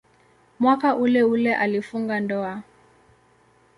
Mwaka uleule alifunga ndoa.